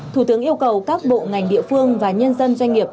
thủ tướng yêu cầu các bộ ngành địa phương và nhân dân doanh nghiệp